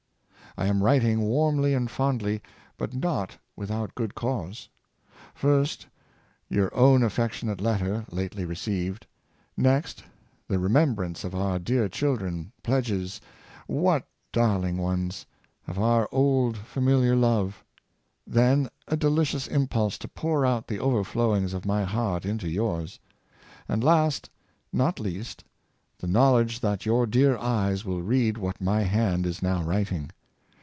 I am writing warmly and fondly, but not without good cause. First, your own affectionate letter, lately received; next, the remembrance of our dear children, pledges — what darling ones! — of our old familiar love; then, a delicious impulse to pour out the overflowings of my heart into yours; and last, not least, the knowledge that your dear eyes will read what my hand is now writing.